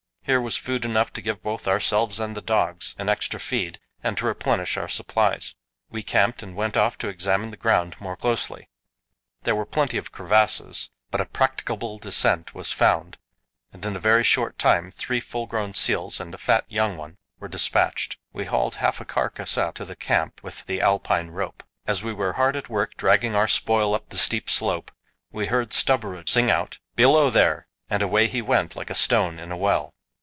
Here was food enough to give both ourselves and the dogs an extra feed and to replenish our supplies. We camped and went off to examine the ground more closely. There were plenty of crevasses, but a practicable descent was found, and in a very short time three full grown seals and a fat young one were despatched. We hauled half a carcass up to the camp with the Alpine rope. As we were hard at work dragging our spoil up the steep slope, we heard Stubberud sing out, "Below, there!" and away he went like a stone in a well.